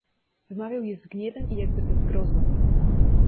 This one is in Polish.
"Wymawiał je z gniewem i jakby ze zgrozą."